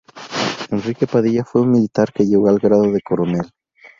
Enrique Padilla fue un militar que llegó al grado de coronel.